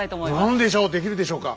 何でしょうできるでしょうか。